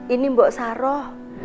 ini mbak saroh